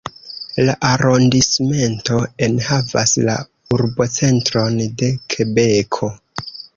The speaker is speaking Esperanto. La arondismento enhavas la urbocentron de Kebeko.